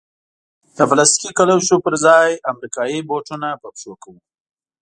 د پلاستیکي کلوشو پر ځای امریکایي بوټونه په پښو کوو.